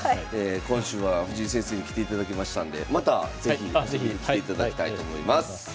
今週は藤井先生に来ていただきましたんでまた是非遊びに来ていただきたいとはいあっ是非。